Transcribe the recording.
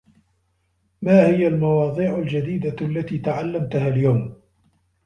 ما هي المواضيع الجديدة التي تعلمتها اليوم ؟